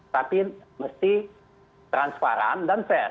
tapi mesti transparan dan fair